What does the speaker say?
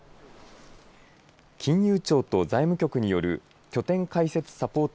金融庁と財務局による拠点開設サポート